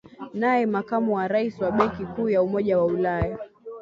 naye makamu wa rais wa benki kuu ya umoja wa ulaya